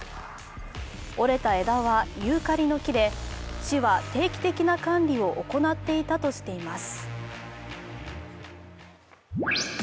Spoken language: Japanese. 折れた枝はユーカリの木で、市は定期的な管理を行っていたとしています。